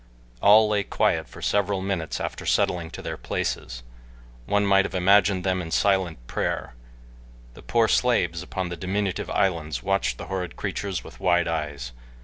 All lay quiet for several minutes after settling to their places. One might have imagined them in silent prayer. The poor slaves upon the diminutive islands watched the horrid creatures with wide eyes.